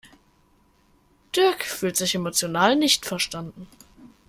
Dirk fühlt sich emotional nicht verstanden.